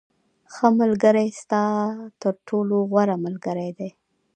• ښه ملګری ستا تر ټولو غوره ملګری دی.